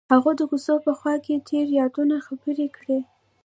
هغوی د کوڅه په خوا کې تیرو یادونو خبرې کړې.